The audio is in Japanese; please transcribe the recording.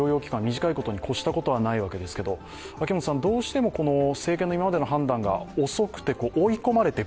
短いことに越したことはないわけですけども、どうしても政権の今までの判断が遅くて追い込まれて